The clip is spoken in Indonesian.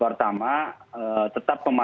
pertama tetap pemerintah